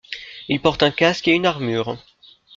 Il porte un casque et une armure.